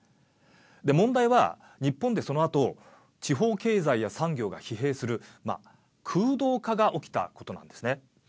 で、問題は日本でそのあと地方経済や産業が疲弊する空洞化が起きたことなんですね。